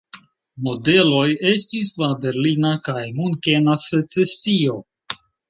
Modeloj estis la berlina kaj munkena secesio.